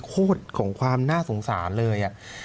โคตรของความน่าสงสารเลย